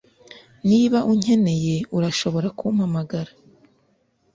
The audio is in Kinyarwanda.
Niba unkeneye urashobora kumpamagara